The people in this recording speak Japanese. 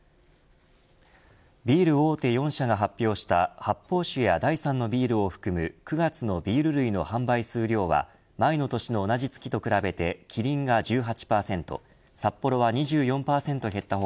ビール大手４社が発表した発泡酒や第３のビールを含む９月のビール類の販売数量は前の年の同じ月と比べてキリンが１８％サッポロは２４％減った他